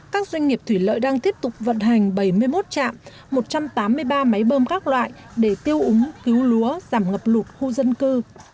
các doanh nghiệp thủy lợi đang tiếp tục vận hành bảy mươi một chạm một trăm tám mươi ba máy bơm các loại để tiêu úng cứu lúa giảm ngập lụt khu dân cư